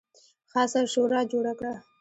خاصه شورا جوړه کړه.